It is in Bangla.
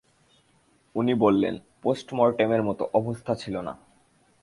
উনি বললেন-পোস্টমর্টেমের মতো অবস্থা ছিল না।